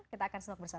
kita akan snok bersama